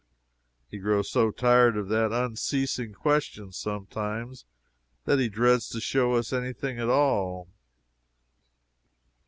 He grows so tired of that unceasing question sometimes, that he dreads to show us any thing at all.